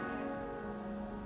dan menuju ke kebun